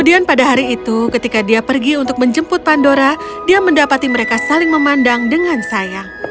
dan pada hari itu ketika dia pergi untuk menjemput pandora dia mendapati mereka saling memandang dengan sayang